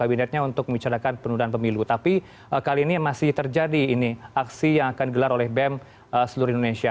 apa yang akan dilakukan di hari ini aksi yang akan gelar oleh bbm seluruh indonesia